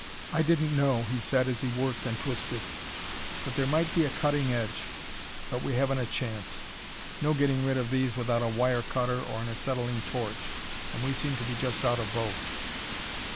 "I didn't know," he said, as he worked and twisted, "but there might be a cutting edge, but we haven't a chance. No getting rid of these without a wire cutter or an acetylene torch and we seem to be just out of both."